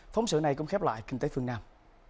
phóng sự này cũng khép lại kinh tế phương nam